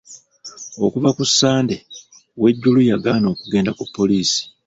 Okuva ku Sande Wejuru yagaana okugenda ku poliisi.